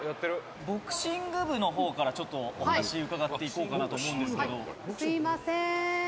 「ボクシング部の方からお話伺っていこうかなと思うんですけど」